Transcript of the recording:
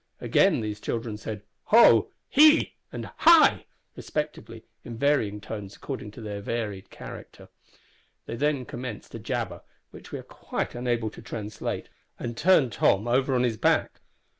Again these children said, "Ho!" "He!" and "Hi!" respectively, in varying tones according to their varied character. Then they commenced a jabber, which we are quite unable to translate, and turned Tom over on his back.